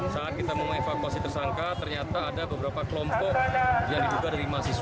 saat kita mau evakuasi tersangka ternyata ada beberapa kelompok yang diduga dari mahasiswa